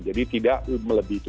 jadi tidak melebihi itu